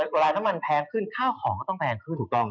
เวลาน้ำมันแพงขึ้นข้าวของก็ต้องแพงขึ้นถูกต้อง